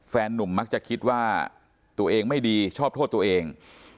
นุ่มมักจะคิดว่าตัวเองไม่ดีชอบโทษตัวเอง